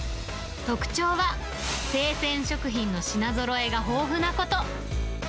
特徴は、生鮮食品の品ぞろえが豊富なこと。